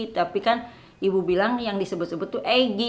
tapi kan ibu bilang yang disebut sebut itu egy